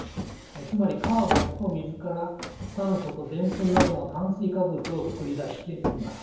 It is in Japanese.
つまりカーボンと水から酸素とでんぷんなどの炭水化物を作り出しています。